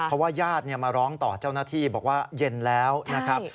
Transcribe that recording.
เพราะว่าญาติมาร้องต่อเจ้าหน้าที่บอกว่าเย็นแล้วนะครับ